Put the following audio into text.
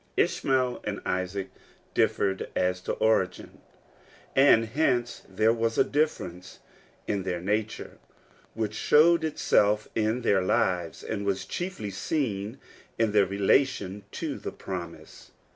SHMAEL and Isaac differed as to orgin, and hence there was a difference in their nature which showed itself in their lives, and was chiefly seen in their relation to the promise.